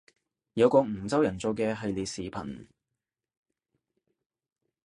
有個梧州人做嘅系列視頻